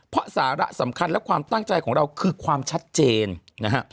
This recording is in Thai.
เพราะสาระสำคัญและความตั้งใจของเราคือความชัดเจนนะฮะ